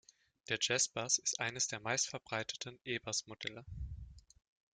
Der "Jazz Bass" ist eines der meistverbreiteten E-Bass-Modelle.